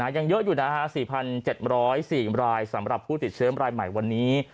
ยังเยอะอยู่นะฮะ๔๗๐๔รายสำหรับผู้ติดเชื้อรายใหม่วันนี้